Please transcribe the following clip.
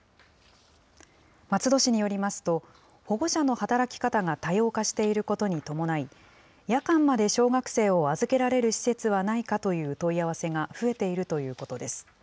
松戸市によりますと、保護者の働き方が多様化していることに伴い、夜間まで小学生を預けられる施設はないかという問い合わせが増えているということです。